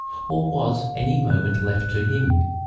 Or was any moment left to him?